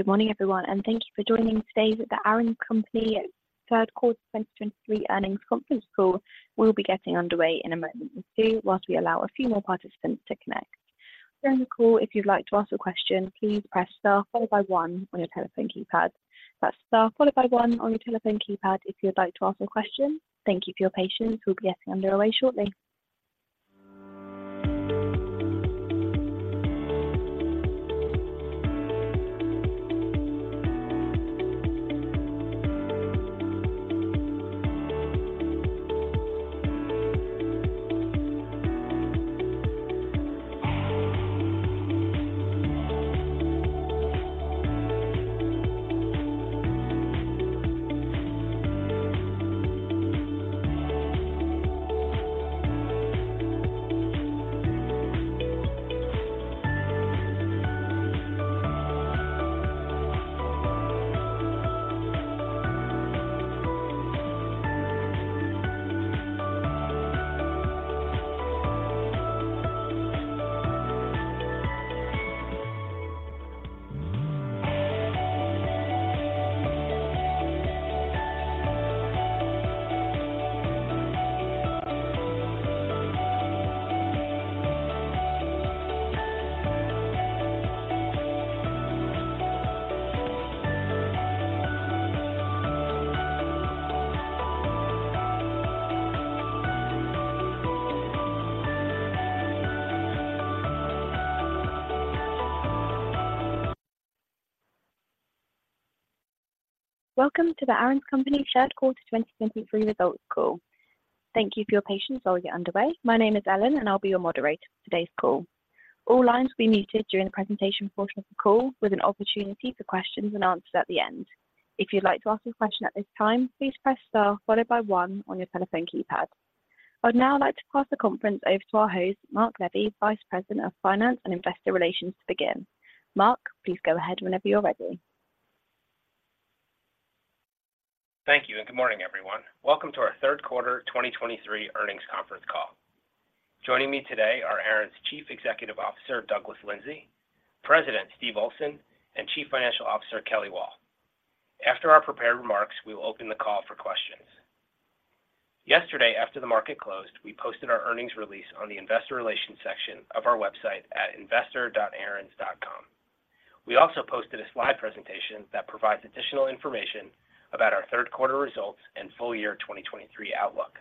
Good morning, everyone, and thank you for joining today's The Aaron's Company Third Quarter 2023 Earnings Conference Call. We'll be getting underway in a moment or two while we allow a few more participants to connect. During the call, if you'd like to ask a question, please press Star followed by one on your telephone keypad. That's Star followed by one on your telephone keypad if you'd like to ask a question. Thank you for your patience. We'll be getting underway shortly. Welcome to the Aaron's Company Third Quarter 2023 Results Call. Thank you for your patience while we get underway. My name is Ellen, and I'll be your moderator for today's call. All lines will be muted during the presentation portion of the call, with an opportunity for questions and answers at the end. If you'd like to ask a question at this time, please press Star followed by one on your telephone keypad. I'd now like to pass the conference over to our host, Marc Levy, Vice President of Finance and Investor Relations, to begin. Marc, please go ahead whenever you're ready. Thank you, and good morning, everyone. Welcome to our third quarter 2023 earnings conference call. Joining me today are Aaron's Chief Executive Officer, Douglas Lindsay, President, Steve Olsen, and Chief Financial Officer, Kelly Wall. After our prepared remarks, we will open the call for questions. Yesterday, after the market closed, we posted our earnings release on the Investor Relations section of our website at investor.aarons.com. We also posted a slide presentation that provides additional information about our third quarter results and full year 2023 outlook.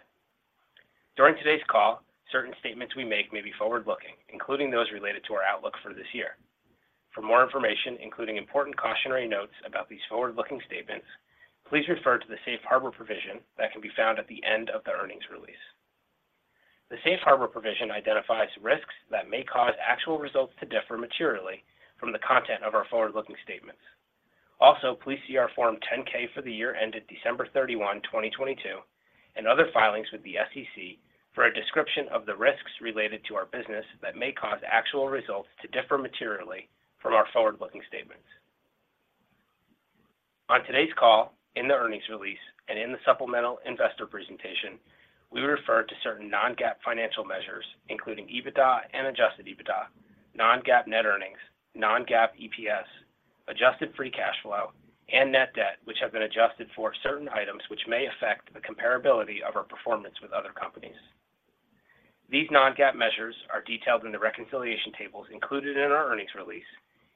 During today's call, certain statements we make may be forward-looking, including those related to our outlook for this year. For more information, including important cautionary notes about these forward-looking statements, please refer to the Safe Harbor provision that can be found at the end of the earnings release. The Safe Harbor provision identifies risks that may cause actual results to differ materially from the content of our forward-looking statements. Also, please see our Form 10-K for the year ended December 31, 2022, and other filings with the SEC for a description of the risks related to our business that may cause actual results to differ materially from our forward-looking statements. On today's call, in the earnings release, and in the supplemental investor presentation, we refer to certain non-GAAP financial measures, including EBITDA and adjusted EBITDA, non-GAAP net earnings, non-GAAP EPS, adjusted free cash flow, and net debt, which have been adjusted for certain items which may affect the comparability of our performance with other companies. These non-GAAP measures are detailed in the reconciliation tables included in our earnings release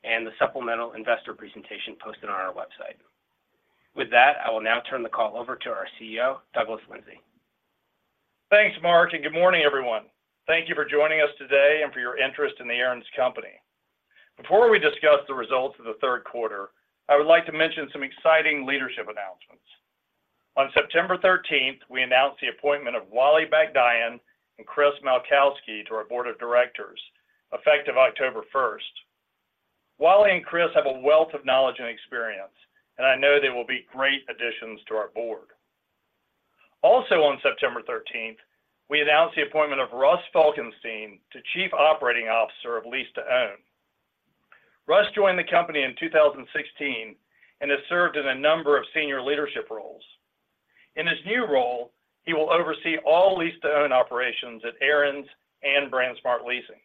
and the supplemental investor presentation posted on our website. With that, I will now turn the call over to our CEO, Douglas Lindsay. Thanks, Marc, and good morning, everyone. Thank you for joining us today and for your interest in The Aaron's Company. Before we discuss the results of the third quarter, I would like to mention some exciting leadership announcements. On September 13th, we announced the appointment of Wally Budgell and Chris Malkowski to our board of directors, effective October 1st. Wally and Chris have a wealth of knowledge and experience, and I know they will be great additions to our board. Also, on September 13th, we announced the appointment of Russ Falkenstein to Chief Operating Officer of Lease to Own. Russ joined the company in 2016 and has served in a number of senior leadership roles. In his new role, he will oversee all lease-to-own operations at Aaron's and BrandsMart Leasing.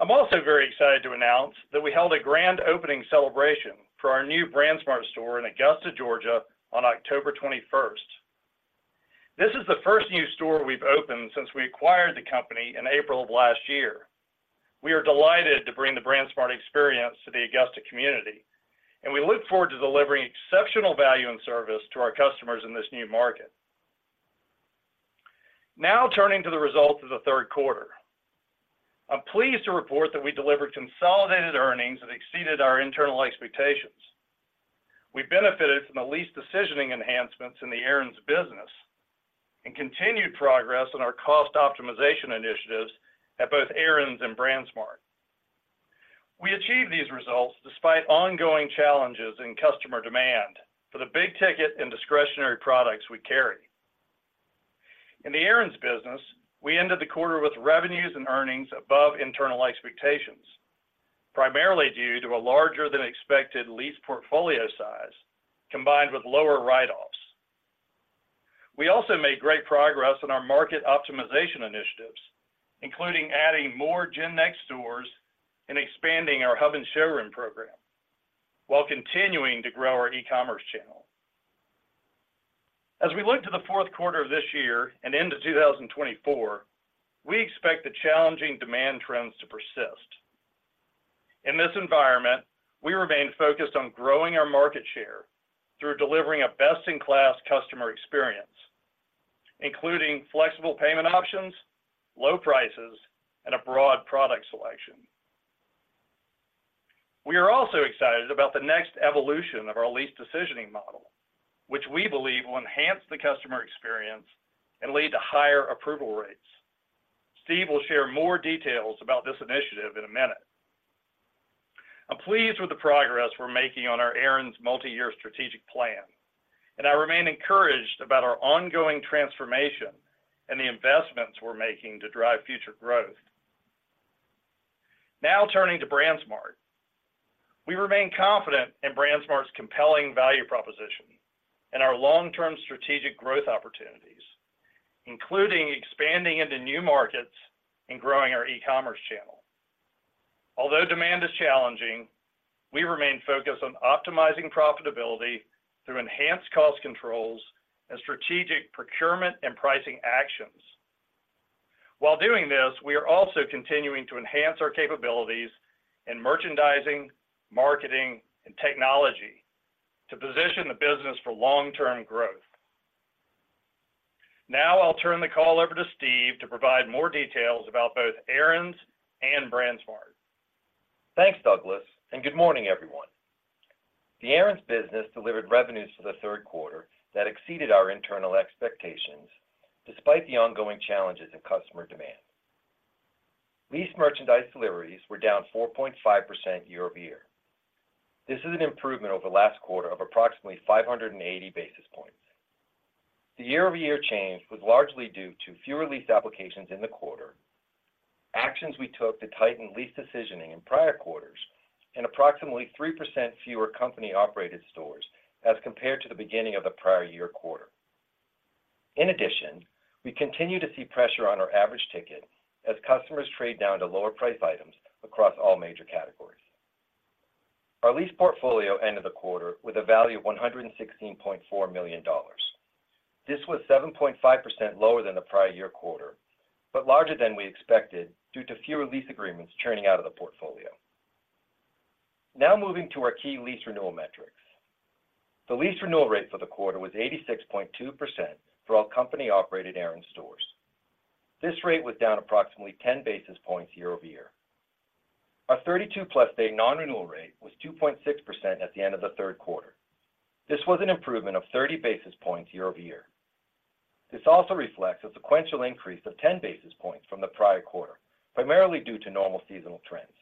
I'm also very excited to announce that we held a grand opening celebration for our new BrandsMart store in Augusta, Georgia, on October 21st. This is the first new store we've opened since we acquired the company in April of last year. We are delighted to bring the BrandsMart experience to the Augusta community, and we look forward to delivering exceptional value and service to our customers in this new market. Now, turning to the results of the third quarter. I'm pleased to report that we delivered consolidated earnings that exceeded our internal expectations. We benefited from the lease decisioning enhancements in the Aaron's business and continued progress on our cost optimization initiatives at both Aaron's and BrandsMart. We achieved these results despite ongoing challenges in customer demand for the big ticket and discretionary products we carry. In the Aaron's business, we ended the quarter with revenues and earnings above internal expectations, primarily due to a larger-than-expected lease portfolio size combined with lower write-offs. We also made great progress on our market optimization initiatives, including adding more GenNext stores and expanding our hub and showroom program, while continuing to grow our e-commerce channel. As we look to the fourth quarter of this year and into 2024, we expect the challenging demand trends to persist. In this environment, we remain focused on growing our market share through delivering a best-in-class customer experience, including flexible payment options, low prices, and a broad product selection. We are also excited about the next evolution of our lease decisioning model, which we believe will enhance the customer experience and lead to higher approval rates. Steve will share more details about this initiative in a minute. I'm pleased with the progress we're making on our Aaron's multi-year strategic plan, and I remain encouraged about our ongoing transformation and the investments we're making to drive future growth. Now, turning to BrandsMart. We remain confident in BrandsMart's compelling value proposition and our long-term strategic growth opportunities, including expanding into new markets and growing our e-commerce channel. Although demand is challenging, we remain focused on optimizing profitability through enhanced cost controls and strategic procurement and pricing actions. While doing this, we are also continuing to enhance our capabilities in merchandising, marketing, and technology to position the business for long-term growth. Now, I'll turn the call over to Steve to provide more details about both Aaron's and BrandsMart. Thanks, Douglas, and good morning, everyone. The Aaron's business delivered revenues for the third quarter that exceeded our internal expectations, despite the ongoing challenges in customer demand. Lease merchandise deliveries were down 4.5% year-over-year. This is an improvement over last quarter of approximately 580 basis points. The year-over-year change was largely due to fewer lease applications in the quarter, actions we took to tighten lease decisioning in prior quarters, and approximately 3% fewer company-operated stores as compared to the beginning of the prior year quarter. In addition, we continue to see pressure on our average ticket as customers trade down to lower-priced items across all major categories. Our lease portfolio ended the quarter with a value of $116.4 million. This was 7.5% lower than the prior year quarter, but larger than we expected due to fewer lease agreements churning out of the portfolio. Now moving to our key lease renewal metrics. The lease renewal rate for the quarter was 86.2% for all company-operated Aaron's stores. This rate was down approximately 10 basis points year-over-year. Our 32+ day non-renewal rate was 2.6% at the end of the third quarter. This was an improvement of 30 basis points year-over-year. This also reflects a sequential increase of 10 basis points from the prior quarter, primarily due to normal seasonal trends.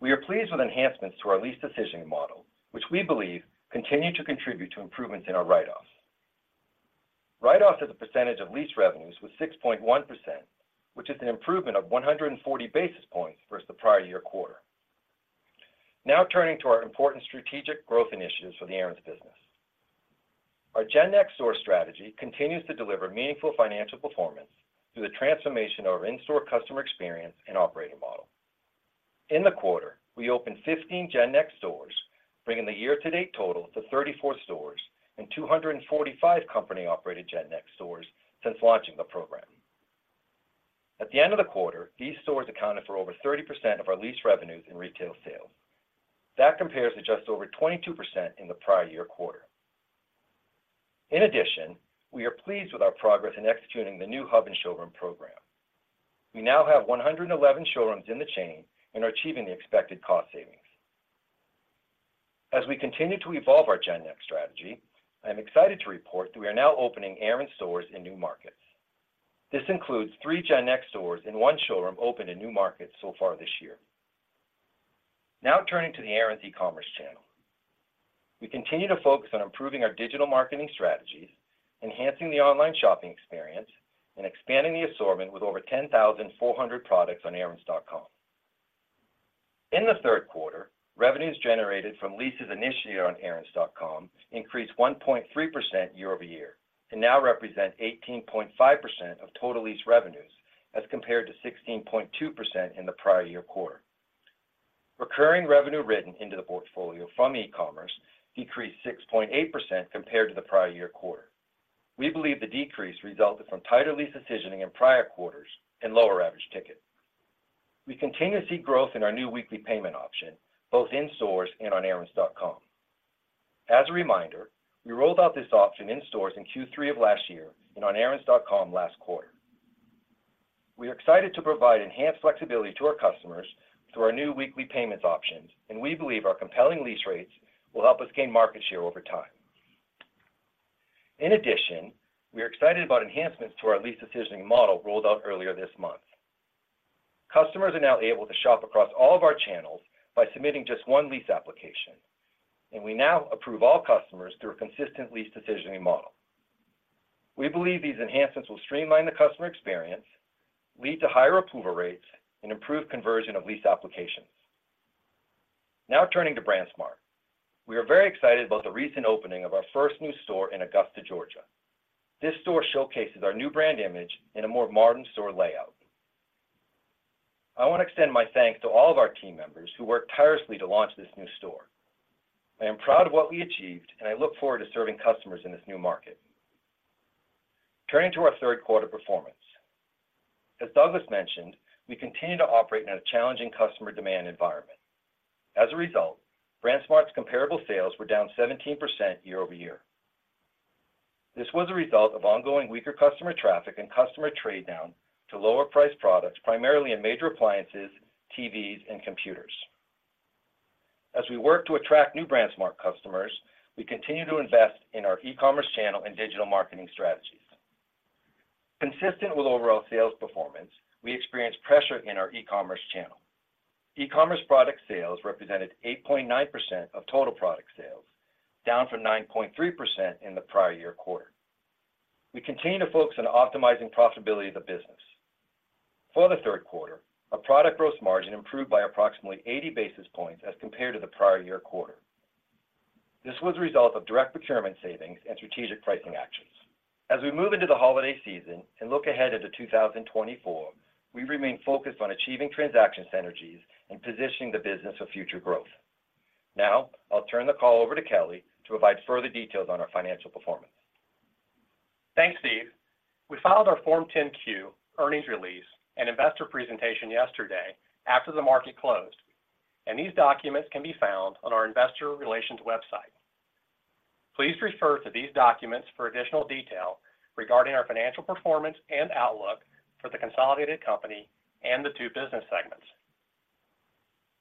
We are pleased with enhancements to our lease decisioning model, which we believe continue to contribute to improvements in our write-offs. Write-offs as a percentage of lease revenues was 6.1%, which is an improvement of 140 basis points versus the prior year quarter. Now, turning to our important strategic growth initiatives for the Aaron's business. Our GenNext store strategy continues to deliver meaningful financial performance through the transformation of our in-store customer experience and operating model. In the quarter, we opened 15 GenNext stores, bringing the year-to-date total to 34 stores and 245 company-operated GenNext stores since launching the program. At the end of the quarter, these stores accounted for over 30% of our lease revenues in retail sales. That compares to just over 22% in the prior year quarter. In addition, we are pleased with our progress in executing the new Hub and Showroom program. We now have 111 showrooms in the chain and are achieving the expected cost savings. As we continue to evolve our GenNext strategy, I am excited to report that we are now opening Aaron's stores in new markets. This includes three GenNext stores and one showroom opened in new markets so far this year. Now, turning to the Aaron's e-commerce channel. We continue to focus on improving our digital marketing strategies, enhancing the online shopping experience, and expanding the assortment with over 10,400 products on aarons.com. In the third quarter, revenues generated from leases initiated on aarons.com increased 1.3% year-over-year and now represent 18.5% of total lease revenues, as compared to 16.2% in the prior year quarter. Recurring revenue written into the portfolio from e-commerce decreased 6.8% compared to the prior year quarter. We believe the decrease resulted from tighter lease decisioning in prior quarters and lower average ticket. We continue to see growth in our new weekly payment option, both in stores and on aarons.com. As a reminder, we rolled out this option in stores in Q3 of last year and on aarons.com last quarter. We are excited to provide enhanced flexibility to our customers through our new weekly payments options, and we believe our compelling lease rates will help us gain market share over time. In addition, we are excited about enhancements to our lease decisioning model rolled out earlier this month. Customers are now able to shop across all of our channels by submitting just one lease application, and we now approve all customers through a consistent lease decisioning model. We believe these enhancements will streamline the customer experience, lead to higher approval rates, and improve conversion of lease applications.... Now turning to BrandsMart. We are very excited about the recent opening of our first new store in Augusta, Georgia. This store showcases our new brand image in a more modern store layout. I want to extend my thanks to all of our team members who worked tirelessly to launch this new store. I am proud of what we achieved, and I look forward to serving customers in this new market. Turning to our third quarter performance. As Douglas mentioned, we continue to operate in a challenging customer demand environment. As a result, BrandsMart's comparable sales were down 17% year-over-year. This was a result of ongoing weaker customer traffic and customer trade down to lower priced products, primarily in major appliances, TVs, and computers. As we work to attract new BrandsMart customers, we continue to invest in our e-commerce channel and digital marketing strategies. Consistent with overall sales performance, we experienced pressure in our e-commerce channel. E-commerce product sales represented 8.9% of total product sales, down from 9.3% in the prior year quarter. We continue to focus on optimizing profitability of the business. For the third quarter, our product growth margin improved by approximately 80 basis points as compared to the prior year quarter. This was a result of direct procurement savings and strategic pricing actions. As we move into the holiday season and look ahead into 2024, we remain focused on achieving transaction synergies and positioning the business for future growth. Now, I'll turn the call over to Kelly to provide further details on our financial performance. Thanks, Steve. We filed our Form 10-Q, earnings release, and investor presentation yesterday after the market closed, and these documents can be found on our investor relations website. Please refer to these documents for additional detail regarding our financial performance and outlook for the consolidated company and the two business segments.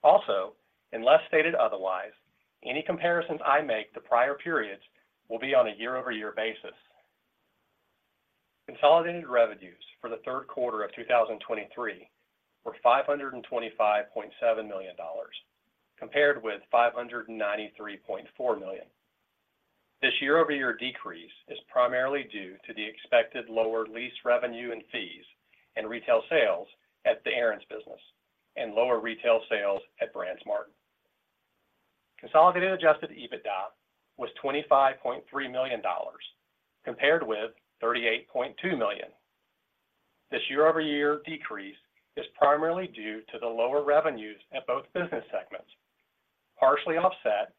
Also, unless stated otherwise, any comparisons I make to prior periods will be on a year-over-year basis. Consolidated revenues for the third quarter of 2023 were $525.7 million, compared with $593.4 million. This year-over-year decrease is primarily due to the expected lower lease revenue and fees and retail sales at the Aaron's business and lower retail sales at BrandsMart. Consolidated adjusted EBITDA was $25.3 million, compared with $38.2 million. This year-over-year decrease is primarily due to the lower revenues at both business segments, partially offset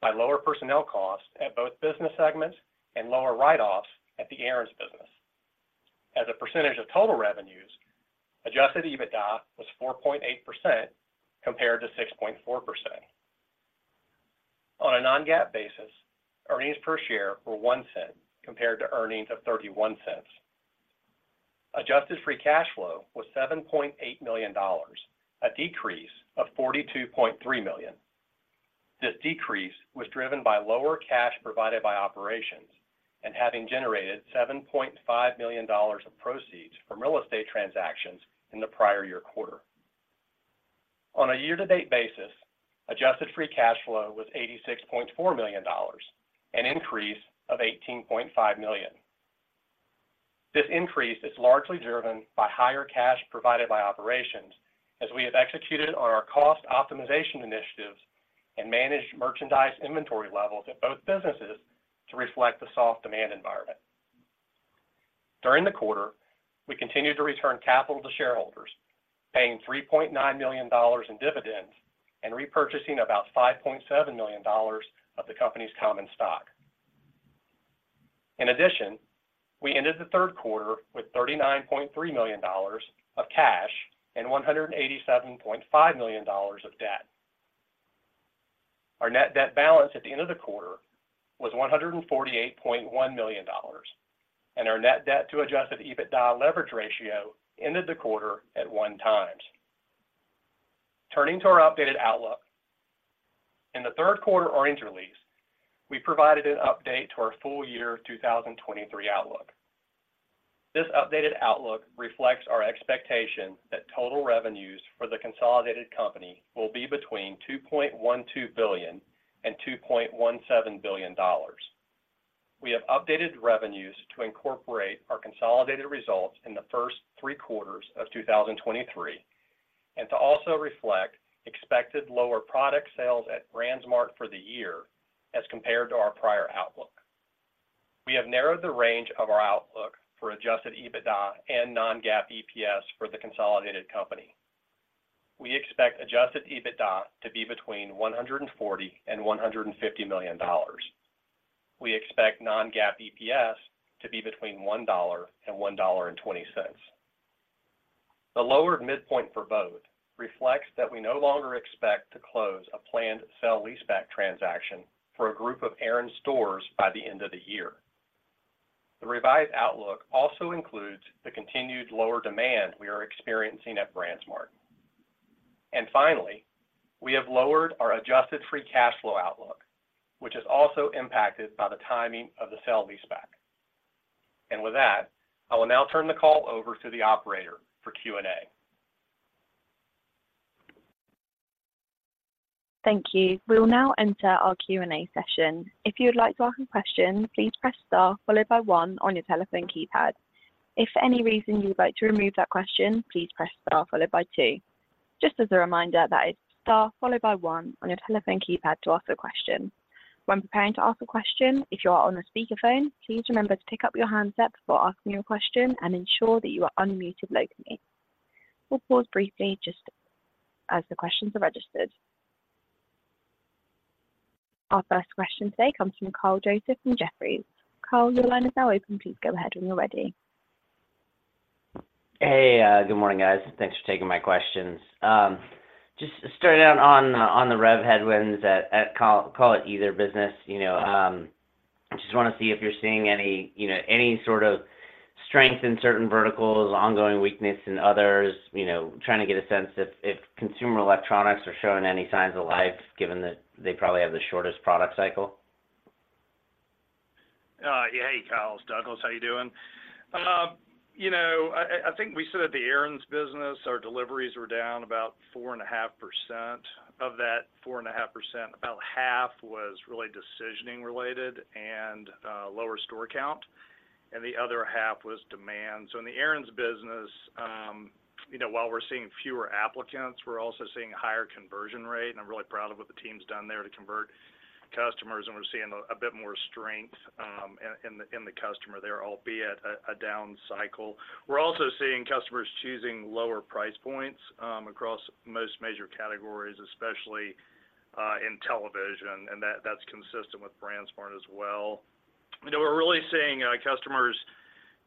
by lower personnel costs at both business segments and lower write-offs at the Aaron's business. As a percentage of total revenues, Adjusted EBITDA was 4.8% compared to 6.4%. On a non-GAAP basis, earnings per share were $0.01, compared to earnings of $0.31. Adjusted free cash flow was $7.8 million, a decrease of $42.3 million. This decrease was driven by lower cash provided by operations and having generated $7.5 million of proceeds from real estate transactions in the prior year quarter. On a year-to-date basis, adjusted free cash flow was $86.4 million, an increase of $18.5 million. This increase is largely driven by higher cash provided by operations, as we have executed on our cost optimization initiatives and managed merchandise inventory levels at both businesses to reflect the soft demand environment. During the quarter, we continued to return capital to shareholders, paying $3.9 million in dividends and repurchasing about $5.7 million of the company's common stock. In addition, we ended the third quarter with $39.3 million of cash and $187.5 million of debt. Our net debt balance at the end of the quarter was $148.1 million, and our net debt to Adjusted EBITDA leverage ratio ended the quarter at 1x. Turning to our updated outlook. In the third quarter earnings release, we provided an update to our full year 2023 outlook. This updated outlook reflects our expectation that total revenues for the consolidated company will be between $2.12 billion and $2.17 billion. We have updated revenues to incorporate our consolidated results in the first three quarters of 2023, and to also reflect expected lower product sales at BrandsMart for the year as compared to our prior outlook. We have narrowed the range of our outlook for Adjusted EBITDA and non-GAAP EPS for the consolidated company. We expect Adjusted EBITDA to be between $140 million and $150 million. We expect non-GAAP EPS to be between $1 and $1.20. The lower midpoint for both reflects that we no longer expect to close a planned sale-leaseback transaction for a group of Aaron's stores by the end of the year. The revised outlook also includes the continued lower demand we are experiencing at BrandsMart. And finally, we have lowered our adjusted free cash flow outlook, which is also impacted by the timing of the sale-leaseback. And with that, I will now turn the call over to the operator for Q&A. Thank you. We will now enter our Q&A session. If you would like to ask a question, please press star followed by one on your telephone keypad.... If for any reason you'd like to remove that question, please press star followed by two. Just as a reminder, that is star followed by one on your telephone keypad to ask a question. When preparing to ask a question, if you are on a speakerphone, please remember to pick up your handset before asking your question and ensure that you are unmuted locally. We'll pause briefly just as the questions are registered. Our first question today comes from Kyle Joseph from Jefferies. Kyle, your line is now open. Please go ahead when you're ready. Hey, good morning, guys. Thanks for taking my questions. Just to start out on the rev headwinds at Aaron's, call it either business, you know, I just want to see if you're seeing any, you know, any sort of strength in certain verticals, ongoing weakness in others, you know, trying to get a sense if consumer electronics are showing any signs of life, given that they probably have the shortest product cycle. Yeah. Hey, Kyle, it's Douglas. How you doing? You know, I think we said at the Aaron's business, our deliveries were down about 4.5%. Of that 4.5%, about half was really decisioning related and lower store count, and the other half was demand. So in the Aaron's business, you know, while we're seeing fewer applicants, we're also seeing a higher conversion rate, and I'm really proud of what the team's done there to convert customers, and we're seeing a bit more strength in the customer there, albeit a down cycle. We're also seeing customers choosing lower price points across most major categories, especially in television, and that's consistent with BrandsMart as well. You know, we're really seeing customers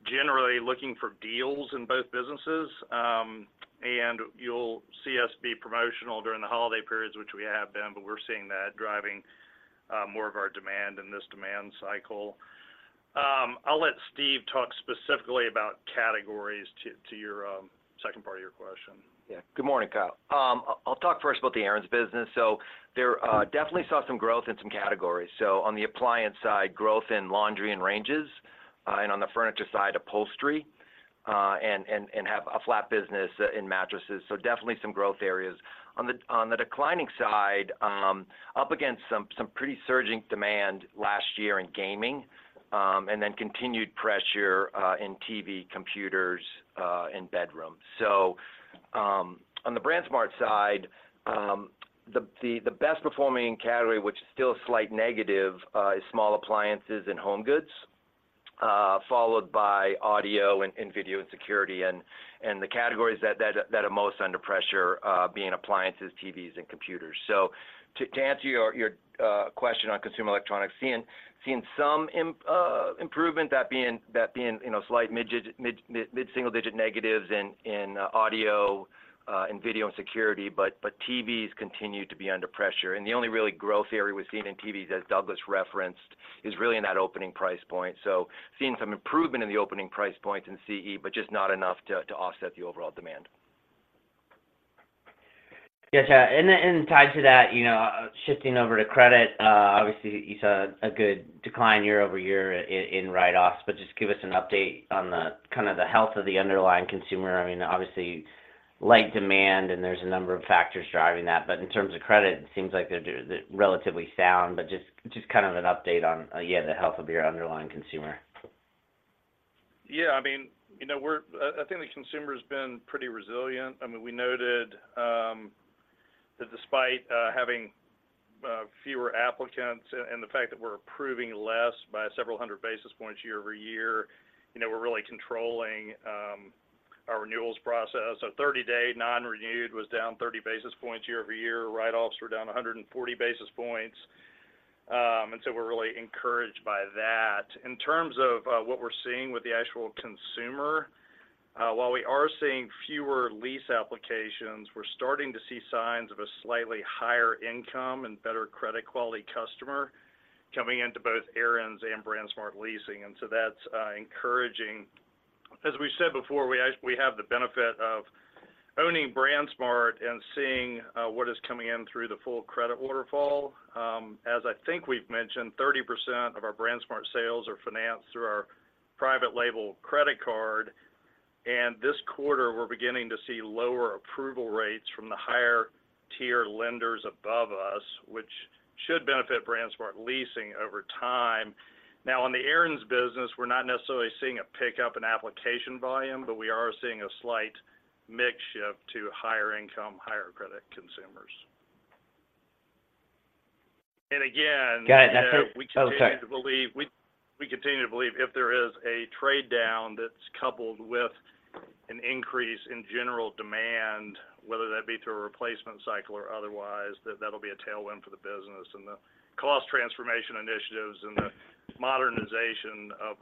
generally looking for deals in both businesses. You'll see us be promotional during the holiday periods, which we have been, but we're seeing that driving more of our demand in this demand cycle. I'll let Steve talk specifically about categories to your second part of your question. Yeah. Good morning, Kyle. I'll talk first about the Aaron's business. So there, definitely saw some growth in some categories. So on the appliance side, growth in laundry and ranges, and on the furniture side, upholstery, and have a flat business in mattresses. So definitely some growth areas. On the declining side, up against some pretty surging demand last year in gaming, and then continued pressure in TV, computers, and bedrooms. So, on the BrandsMart side, the best-performing category, which is still a slight negative, is small appliances and home goods, followed by audio and video and security, and the categories that are most under pressure, being appliances, TVs, and computers. So to answer your question on consumer electronics, seeing some improvement, that being, you know, slight mid single-digit negatives in audio and video and security, but TVs continue to be under pressure. And the only really growth area we've seen in TVs, as Douglas referenced, is really in that opening price point. So seeing some improvement in the opening price points in CE, but just not enough to offset the overall demand. Yes, yeah, and then, and tied to that, you know, shifting over to credit, obviously, you saw a good decline year-over-year in write-offs, but just give us an update on the kind of the health of the underlying consumer. I mean, obviously, light demand, and there's a number of factors driving that. But in terms of credit, it seems like they're relatively sound, but just kind of an update on, yeah, the health of your underlying consumer. Yeah, I mean, you know, we're, I think the consumer has been pretty resilient. I mean, we noted that despite having fewer applicants and the fact that we're approving less by several hundred basis points year-over-year, you know, we're really controlling our renewals process. Our 30-day nonrenewed was down 30 basis points year-over-year. Write-offs were down 140 basis points, and so we're really encouraged by that. In terms of what we're seeing with the actual consumer, while we are seeing fewer lease applications, we're starting to see signs of a slightly higher income and better credit quality customer coming into both Aaron's and BrandsMart Leasing, and so that's encouraging. As we said before, we actually have the benefit of owning BrandsMart and seeing what is coming in through the full credit waterfall. as I think we've mentioned, 30% of our BrandsMart sales are financed through our private label credit card, and this quarter, we're beginning to see lower approval rates from the higher-tier lenders above us, which should benefit BrandsMart Leasing over time. Now, on the Aaron's business, we're not necessarily seeing a pickup in application volume, but we are seeing a slight mix shift to higher income, higher credit consumers. And again- Got it. That's it. Okay. We continue to believe if there is a trade down that's coupled with an increase in general demand, whether that be through a replacement cycle or otherwise, that that'll be a tailwind for the business, and the cost transformation initiatives and the modernization of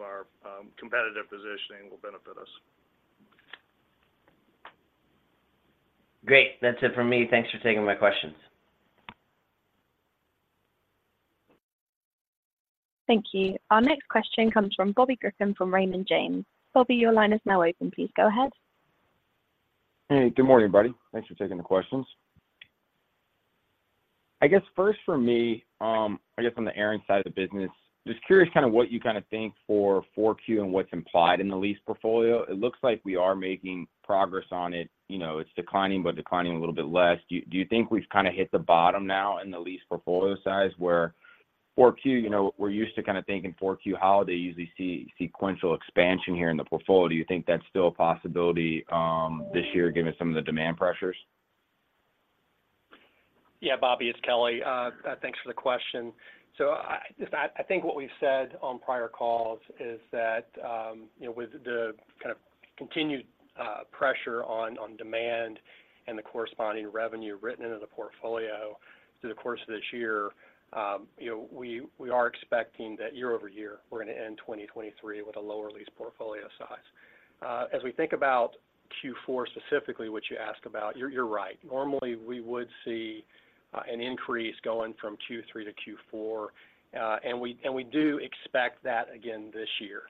our competitive positioning will benefit us. Great. That's it for me. Thanks for taking my questions. Thank you. Our next question comes from Bobby Griffin from Raymond James. Bobby, your line is now open. Please go ahead. Hey, good morning, everybody. Thanks for taking the questions. I guess first for me, I guess on the Aaron's side of the business, just curious kind of what you kind of think for 4Q and what's implied in the lease portfolio. It looks like we are making progress on it. You know, it's declining, but declining a little bit less. Do you think we've kind of hit the bottom now in the lease portfolio size where 4Q, you know, we're used to kind of thinking 4Q, how they usually see sequential expansion here in the portfolio? Do you think that's still a possibility, this year, given some of the demand pressures?... Yeah, Bobby, it's Kelly. Thanks for the question. So I think what we've said on prior calls is that, you know, with the kind of continued pressure on demand and the corresponding revenue written into the portfolio through the course of this year, you know, we are expecting that year-over-year, we're gonna end 2023 with a lower lease portfolio size. As we think about Q4, specifically, what you ask about, you're right. Normally, we would see an increase going from Q3 to Q4, and we do expect that again this year.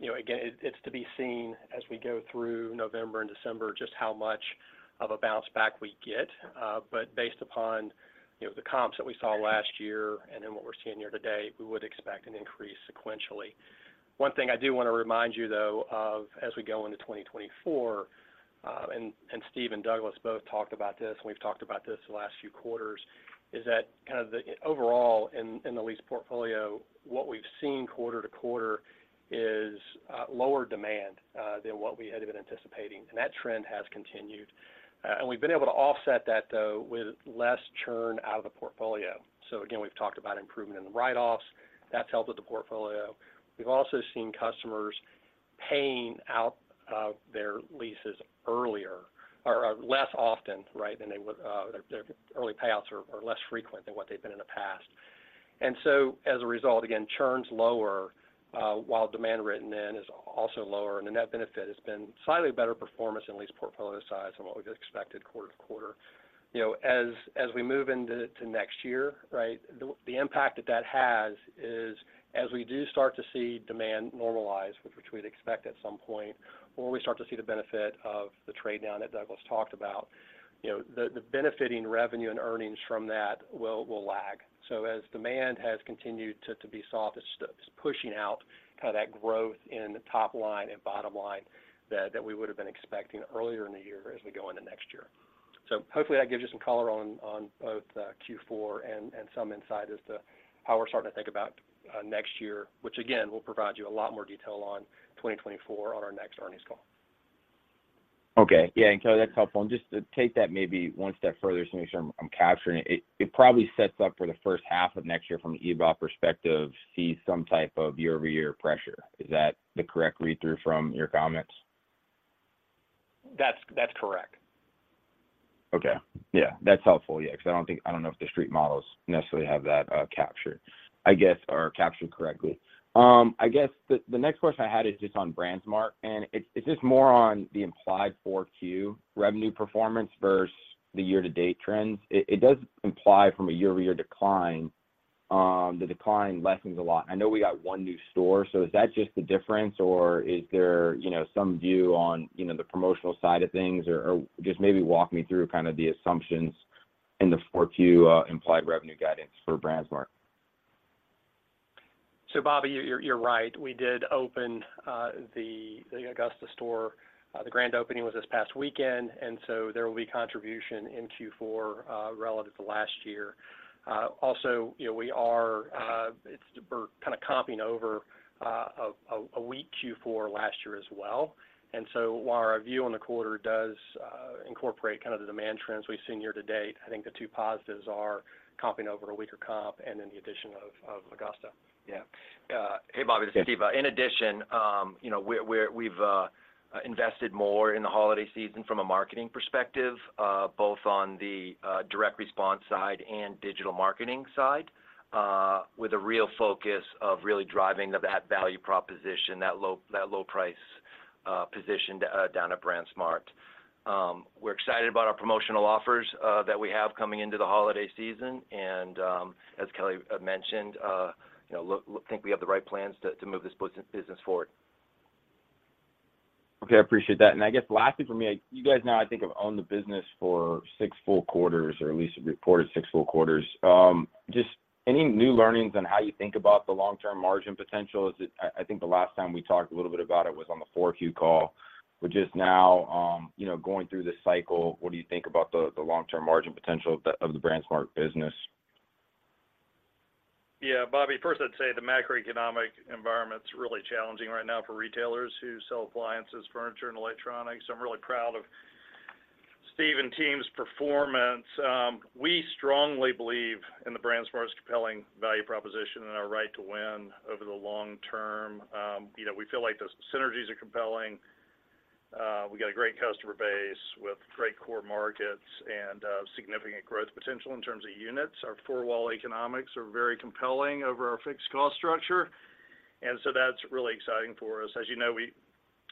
You know, again, it's to be seen as we go through November and December, just how much of a bounce back we get. But based upon, you know, the comps that we saw last year and then what we're seeing here today, we would expect an increase sequentially. One thing I do want to remind you, though, of as we go into 2024, and Steve and Douglas both talked about this, and we've talked about this the last few quarters, is that kind of the overall in the lease portfolio, what we've seen quarter to quarter is lower demand than what we had been anticipating, and that trend has continued. And we've been able to offset that, though, with less churn out of the portfolio. So again, we've talked about improvement in the write-offs. That's helped with the portfolio. We've also seen customers paying out of their leases earlier or less often, right, than they would. Their early payouts are less frequent than what they've been in the past. And so as a result, again, churns lower, while demand written in is also lower, and the net benefit has been slightly better performance in lease portfolio size than what we expected quarter to quarter. You know, as we move into next year, right, the impact that that has is, as we do start to see demand normalize, which we'd expect at some point, or we start to see the benefit of the trade-down that Douglas talked about, you know, the benefiting revenue and earnings from that will lag. So as demand has continued to be soft, it's pushing out kind of that growth in the top line and bottom line that we would have been expecting earlier in the year as we go into next year. So hopefully, that gives you some color on both Q4 and some insight as to how we're starting to think about next year, which again, we'll provide you a lot more detail on 2024 on our next earnings call. Okay. Yeah, and Kelly, that's helpful. And just to take that maybe one step further, just to make sure I'm capturing it. It probably sets up for the first half of next year from an EBOP perspective, see some type of year-over-year pressure. Is that the correct read-through from your comments? That's correct. Okay. Yeah, that's helpful. Yeah, because I don't think, I don't know if the street models necessarily have that captured, I guess, or captured correctly. I guess the next question I had is just on BrandsMart, and it's just more on the implied 4Q revenue performance versus the year-to-date trends. It does imply, from a year-over-year decline, the decline lessens a lot. I know we got 1 new store, so is that just the difference, or is there, you know, some view on, you know, the promotional side of things? Or just maybe walk me through kind of the assumptions in the 4Q implied revenue guidance for BrandsMart. So Bobby, you're right. We did open the Augusta store. The grand opening was this past weekend, and so there will be contribution in Q4 relative to last year. Also, you know, we're kinda comping over a weak Q4 last year as well. And so while our view on the quarter does incorporate kind of the demand trends we've seen year to date, I think the two positives are comping over a weaker comp and then the addition of Augusta. Yeah. Hey, Bobby, this is Steve. In addition, you know, we're, we've invested more in the holiday season from a marketing perspective, both on the direct response side and digital marketing side, with a real focus of really driving that value proposition, that low, that low price position down at BrandsMart. We're excited about our promotional offers that we have coming into the holiday season, and, as Kelly mentioned, you know, look, think we have the right plans to move this business forward. Okay, I appreciate that. I guess lastly, for me, you guys now, I think, have owned the business for six full quarters, or at least reported six full quarters. Just any new learnings on how you think about the long-term margin potential? Is it—I, I think the last time we talked a little bit about it was on the 4Q call, which is now, you know, going through this cycle, what do you think about the, the long-term margin potential of the, of the BrandsMart business? Yeah, Bobby, first, I'd say the macroeconomic environment is really challenging right now for retailers who sell appliances, furniture, and electronics. I'm really proud of Steve and team's performance. We strongly believe in the BrandsMart's compelling value proposition and our right to win over the long term. You know, we feel like the synergies are compelling. We got a great customer base with great core markets and significant growth potential in terms of units. Our four wall economics are very compelling over our fixed cost structure, and so that's really exciting for us. As you know, we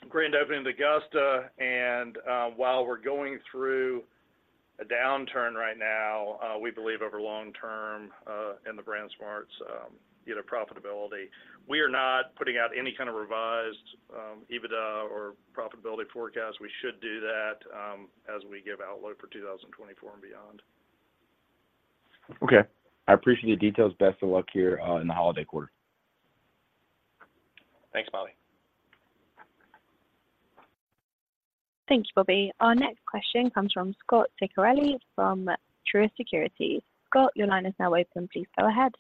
grand opening in Augusta, and while we're going through a downturn right now, we believe over long term in the BrandsMart's, you know, profitability. We are not putting out any revised EBITDA or profitability forecast. We should do that, as we give outlook for 2024 and beyond. Okay. I appreciate the details. Best of luck here, in the holiday quarter. Thanks, Bobby. Thank you, Bobby. Our next question comes from Scot Ciccarelli from Truist Securities. Scott, your line is now open. Please go ahead.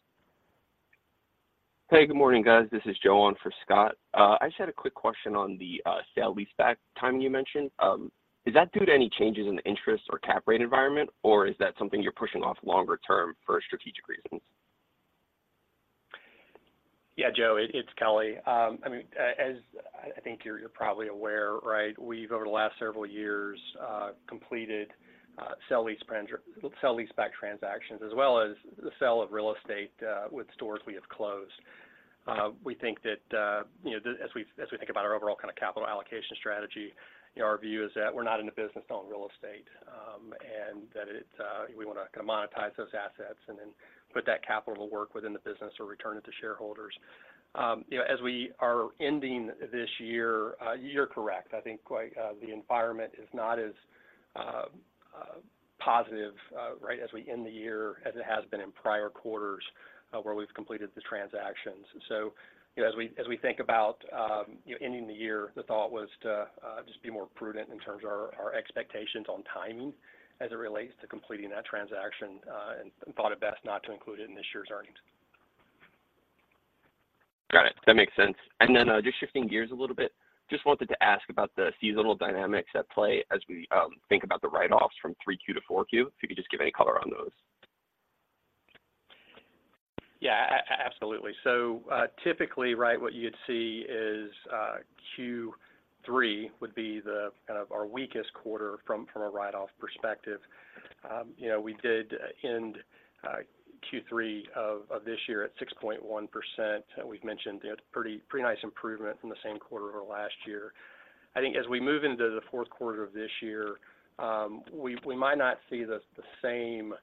Hey, good morning, guys. This is Joe on for Scot. I just had a quick question on the sale-leaseback timing you mentioned. Is that due to any changes in the interest or cap rate environment, or is that something you're pushing off longer term for strategic reasons? Yeah, Joey, it's Kelly. I mean, as I think you're probably aware, right, we've over the last several years completed sale-leaseback transactions, as well as the sale of real estate with stores we have closed. We think that, you know, as we think about our overall kind of capital allocation strategy, you know, our view is that we're not in the business of owning real estate, and that we wanna kinda monetize those assets and then put that capital to work within the business or return it to shareholders. You know, as we are ending this year, you're correct. I think quite, the environment is not as positive, right, as we end the year, as it has been in prior quarters where we've completed the transactions. So, you know, as we think about ending the year, the thought was to just be more prudent in terms of our expectations on timing as it relates to completing that transaction, and thought it best not to include it in this year's earnings. Got it. That makes sense. And then, just shifting gears a little bit, just wanted to ask about the seasonal dynamics at play as we, think about the write-offs from 3Q to 4Q, if you could just give any color on those? Yeah, absolutely. So, typically, right, what you'd see is, Q3 would be the kind of our weakest quarter from a write-off perspective. You know, we did end Q3 of this year at 6.1%, and we've mentioned it pretty nice improvement from the same quarter over last year. I think as we move into the fourth quarter of this year, we might not see the same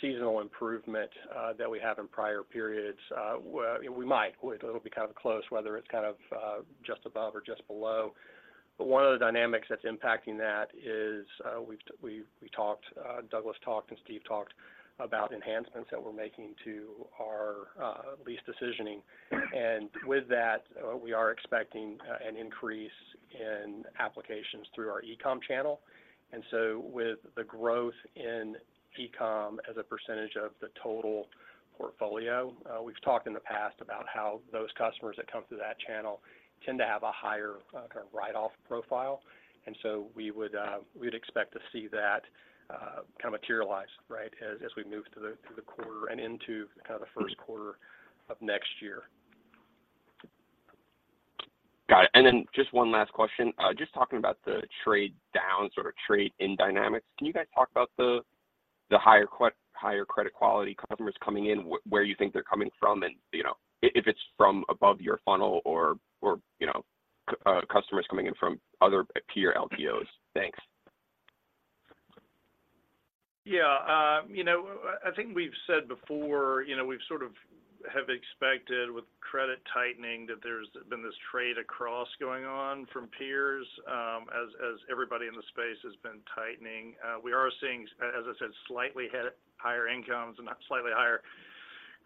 seasonal improvement that we have in prior periods. Well, we might. It'll be kind of close, whether it's kind of just above or just below. But one of the dynamics that's impacting that is, we talked, Douglas talked, and Steve talked about enhancements that we're making to our lease decisioning. And with that, we are expecting an increase in applications through our e-com channel. And so with the growth in e-com as a percentage of the total portfolio, we've talked in the past about how those customers that come through that channel tend to have a higher kind of write-off profile. And so we would, we'd expect to see that kind of materialize, right, as we move through the quarter and into kind of the first quarter of next year. Got it. And then just one last question. Just talking about the trade down, sort of trade-in dynamics. Can you guys talk about the higher credit quality customers coming in, where you think they're coming from, and, you know, if it's from above your funnel or, or, you know, customers coming in from other peer LTOs? Thanks. Yeah, you know, I think we've said before, you know, we've sort of have expected with credit tightening, that there's been this trade across going on from peers, as everybody in the space has been tightening. We are seeing, as I said, slightly higher incomes and slightly higher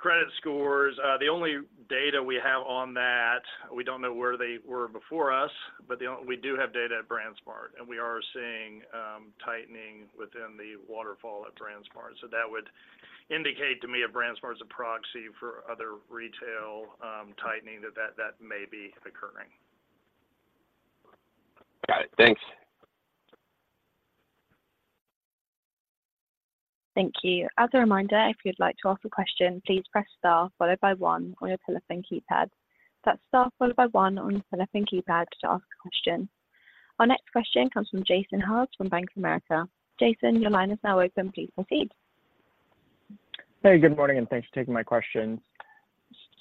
credit scores. The only data we have on that, we don't know where they were before us, but we do have data at BrandsMart, and we are seeing tightening within the waterfall at BrandsMart. So that would indicate to me if BrandsMart is a proxy for other retail tightening, that may be occurring. Got it. Thanks. Thank you. As a reminder, if you'd like to ask a question, please press star, followed by one on your telephone keypad. That's star, followed by one on your telephone keypad to ask a question. Our next question comes from Jason Haas from Bank of America. Jason, your line is now open. Please proceed. Hey, good morning, and thanks for taking my question.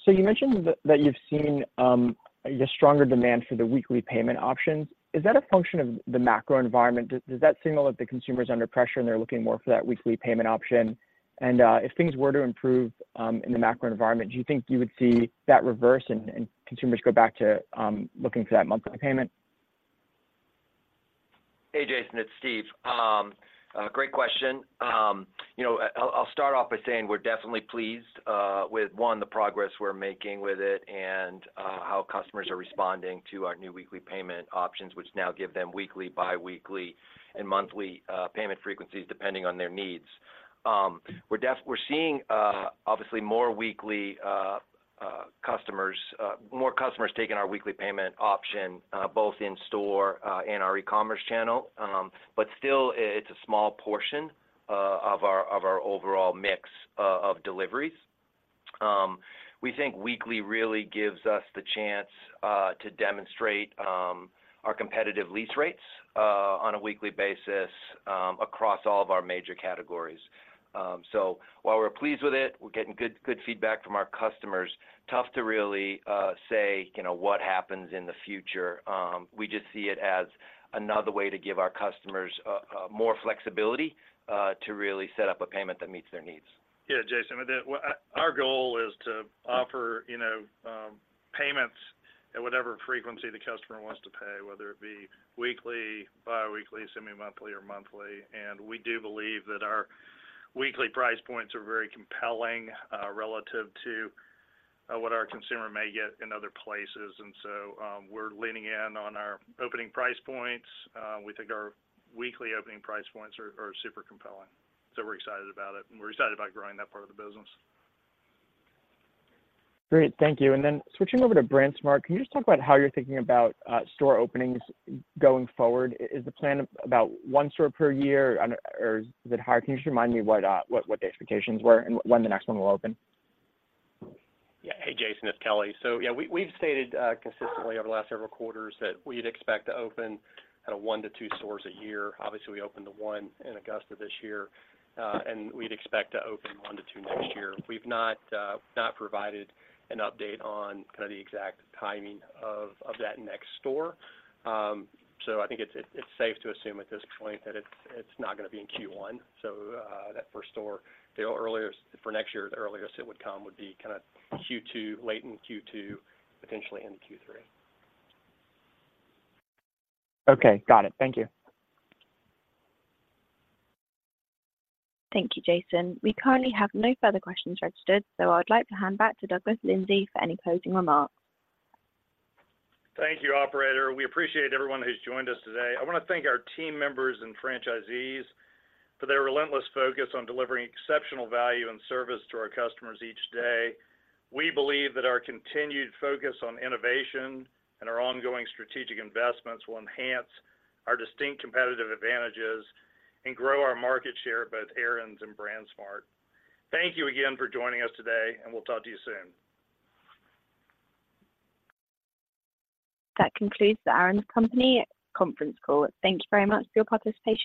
So you mentioned that you've seen your stronger demand for the weekly payment options. Is that a function of the macro environment? Does that signal that the consumer is under pressure, and they're looking more for that weekly payment option? And if things were to improve in the macro environment, do you think you would see that reverse and consumers go back to looking for that monthly payment? Hey, Jason, it's Steve. Great question. You know, I'll start off by saying we're definitely pleased with one, the progress we're making with it and how customers are responding to our new weekly payment options, which now give them weekly, bi-weekly, and monthly payment frequencies, depending on their needs. We're seeing obviously more weekly customers - more customers taking our weekly payment option both in store and our e-commerce channel. But still, it's a small portion of our overall mix of deliveries. We think weekly really gives us the chance to demonstrate our competitive lease rates on a weekly basis across all of our major categories. So while we're pleased with it, we're getting good feedback from our customers. Tough to really say, you know, what happens in the future. We just see it as another way to give our customers more flexibility to really set up a payment that meets their needs. Yeah, Jason, well, our goal is to offer, you know, payments at whatever frequency the customer wants to pay, whether it be weekly, bi-weekly, semi-monthly, or monthly. And we do believe that our weekly price points are very compelling relative to what our consumer may get in other places. And so, we're leaning in on our opening price points. We think our weekly opening price points are super compelling. So we're excited about it, and we're excited about growing that part of the business. Great. Thank you. And then switching over to BrandsMart, can you just talk about how you're thinking about store openings going forward? Is the plan about one store per year, or is it higher? Can you just remind me what the expectations were and when the next one will open? Yeah. Hey, Jason, it's Kelly. So, yeah, we've stated consistently over the last several quarters that we'd expect to open kind of 1-2 stores a year. Obviously, we opened the one in Augusta this year, and we'd expect to open 1-2 next year. We've not provided an update on kind of the exact timing of that next store. So I think it's safe to assume at this point that it's not going to be in Q1. So, that first store, the earliest for next year, the earliest it would come would be kind of Q2, late in Q2, potentially into Q3. Okay, got it. Thank you. Thank you, Jason. We currently have no further questions registered, so I'd like to hand back to Douglas Lindsay for any closing remarks. Thank you, operator. We appreciate everyone who's joined us today. I want to thank our team members and franchisees for their relentless focus on delivering exceptional value and service to our customers each day. We believe that our continued focus on innovation and our ongoing strategic investments will enhance our distinct competitive advantages and grow our market share, both Aaron's and BrandsMart. Thank you again for joining us today, and we'll talk to you soon. That concludes the Aaron's Company conference call. Thank you very much for your participation.